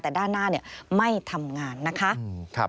แต่ด้านหน้าไม่ทำงานนะคะ